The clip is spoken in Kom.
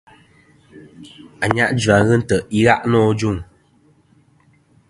Ànyajua ghɨ ntè' i gha' nô ajuŋ.